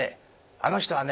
あの人はね